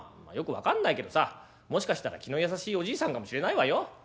「まあよく分かんないけどさもしかしたら気の優しいおじいさんかもしれないわよ。